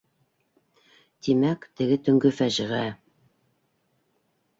Тимәк, теге төнгө фажиғә...